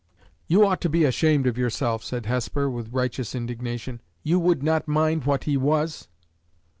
"You ought to be ashamed of yourself," said Hesper, with righteous indignation. "_You would not mind what he was!